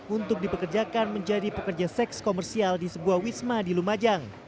untuk dipekerjakan menjadi pekerja seks komersial di sebuah wisma di lumajang